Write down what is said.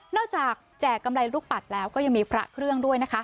จากแจกกำไรลูกปัดแล้วก็ยังมีพระเครื่องด้วยนะคะ